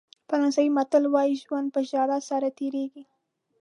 فرانسوي متل وایي ژوند په ژړا سره تېرېږي.